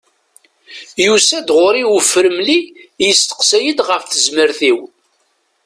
Yusa-d ɣur-i ufremli yesteqsa-yid ɣef tezmert-iw.